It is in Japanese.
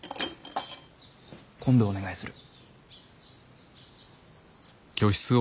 今度お願いする。